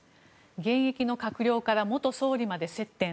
現役の閣僚から元総理まで接点。